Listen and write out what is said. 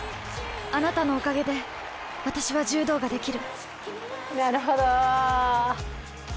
あなたのおかげで私は柔道ができる。